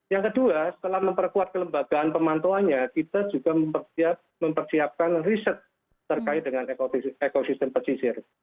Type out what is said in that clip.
yang kedua setelah memperkuat kelembagaan pemantauannya kita juga mempersiapkan riset terkait dengan ekosistem pesisir